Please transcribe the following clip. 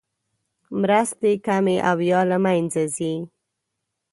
مرستې کمې او یا له مینځه ځي.